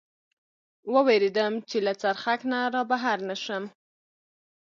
و وېرېدم، چې له څرخک نه را بهر نه شم.